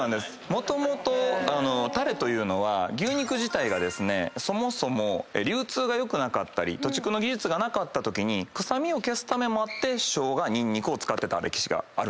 もともとタレというのは牛肉自体が流通が良くなかったり屠畜の技術がなかったときに臭みを消すためもあって生姜ニンニクを使ってた歴史がある。